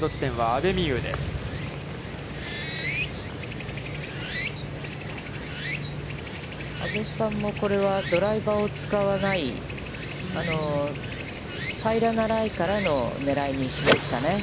阿部さんも、これはドライバーを使わない、平らなライからの狙いにしましたね。